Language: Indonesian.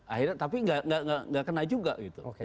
akhirnya tapi nggak kena juga gitu